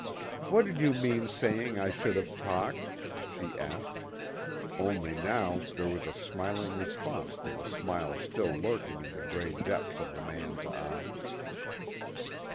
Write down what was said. "What did you mean saying I should have talked?" she asked, only now there was a smiling response to the smile still lurking in the gray depths of the man's eyes.